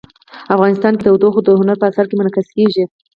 افغانستان کې تودوخه د هنر په اثار کې منعکس کېږي.